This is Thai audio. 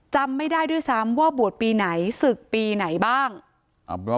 จำไม่ได้ด้วยซ้ำว่าบวชปีไหนศึกปีไหนบ้าง